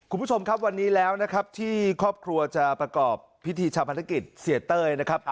คุณผู้ชมครับวันนี้แล้วนะครับที่ครอบครัวจะประกอบพิธีชาพนักกิจเสียเต้ยนะครับ